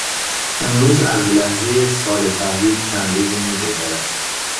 امروز از لحظه سال تحویل چند روزی میگذرد.